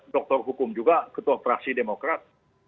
dokter hukum juga ketua fraksi demokrat